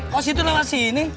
kok situ lewat sini